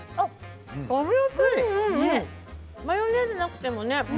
マヨネーズなくてもね。